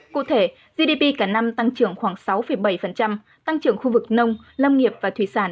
cụ thể gdp cả năm tăng trưởng khoảng sáu bảy tăng trưởng khu vực nông lâm nghiệp và thủy sản